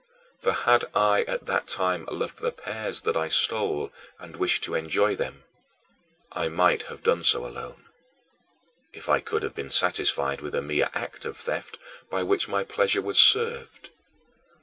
For had I at that time loved the pears that I stole and wished to enjoy them, I might have done so alone, if I could have been satisfied with the mere act of theft by which my pleasure was served.